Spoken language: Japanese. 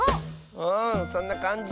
うんそんなかんじ！